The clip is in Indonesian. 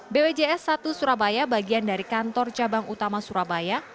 bpjs satu surabaya bagian dari kantor cabang utama surabaya